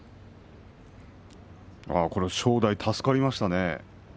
これは正代助かりましたね。